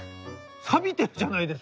さびてるじゃないですか！